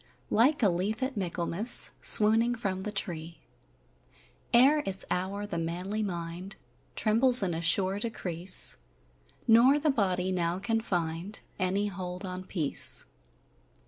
Like a leaf at Michaelmas Swooning from the tree, Ere its hour the manly mind Trembles in a sure decrease, Nor the body now can find Any hold on peace.